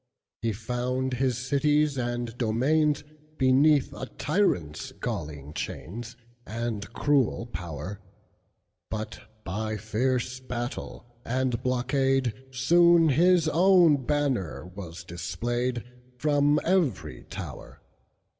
He found his cities and domainsBeneath a tyrant's galling chainsAnd cruel power; But, by fierce battle and blockade, Soon his own banner was displayedFrom every tower.